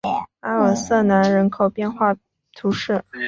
阿尔瑟南人口变化图示